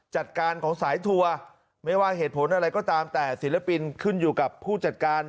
จัดการของสายทัวร์ไม่ว่าเหตุผลอะไรก็ตามแต่ศิลปินขึ้นอยู่กับผู้จัดการ